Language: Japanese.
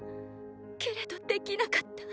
けれどできなかった。